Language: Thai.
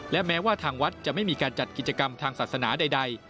และแม้ว่าทางวัดจะไม่มีการจัดกิจกรรมทางศาสนาใด